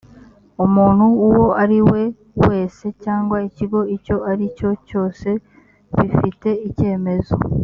umuntu uwo ariwe wese cyangwa ikigo icyo aricyo cyose bifite icyemezo